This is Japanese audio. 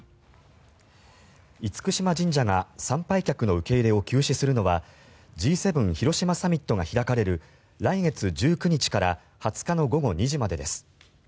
厳島神社が参拝客の受け入れを休止するのはＧ７広島サミットが開かれる来月１９日から２０日の午後２時までです。